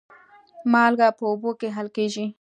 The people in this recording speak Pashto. مالګه په اوبو کې حل کېږي.